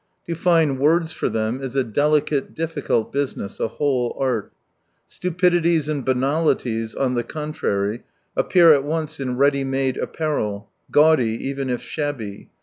To find words for them is a delicate, difiicult business, a whole art. Stupidities and banalities, on the con trary, appear at once in ready made apparel, gaudy even if shabby.